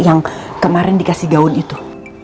yang kemarin dikasih gaun itu